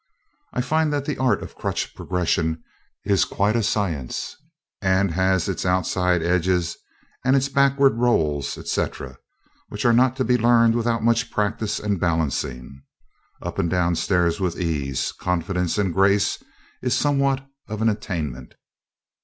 ] I find that the art of crutch progression is quite a science, and has its outside edges and its backward rolls, etc., which are not to be learned without much practice and balancing. Up and down stairs with ease, confidence, and grace, is somewhat of an attainment.